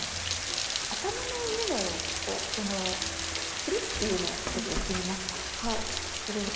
頭の上のこのクルッていうのをちょっと行ってみますか。